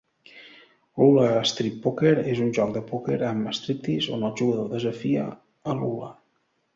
"Lula Strip Poker" és un joc de pòquer amb striptease on el jugador desafia a Lula.